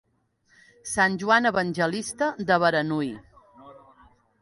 Sant Joan Evangelista de Beranui.